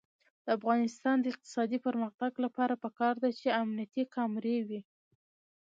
د افغانستان د اقتصادي پرمختګ لپاره پکار ده چې امنیتي کامرې وي.